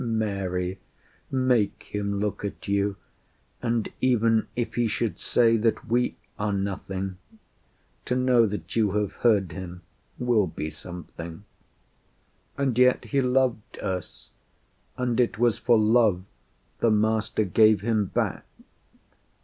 Mary, make him look at you; And even if he should say that we are nothing, To know that you have heard him will be something. And yet he loved us, and it was for love The Master gave him back.